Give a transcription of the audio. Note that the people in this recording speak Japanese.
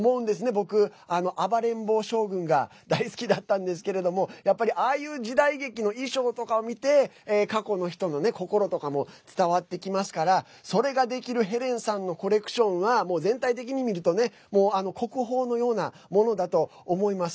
僕、「暴れん坊将軍」が大好きだったんですけれどもやっぱり、ああいう時代劇の衣装とかを見て過去の人の心とかも伝わってきますからそれができるヘレンさんのコレクションは全体的に見るとね国宝のようなものだと思います。